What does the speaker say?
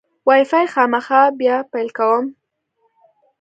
وای فای خامخا بیا پیل کوم.